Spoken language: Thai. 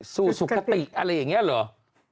สู่สุขติอะไรอย่างนี้เหรอ